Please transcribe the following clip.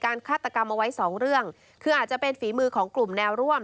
ฆาตกรรมเอาไว้สองเรื่องคืออาจจะเป็นฝีมือของกลุ่มแนวร่วม